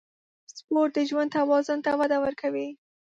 سپورت د ژوند توازن ته وده ورکوي.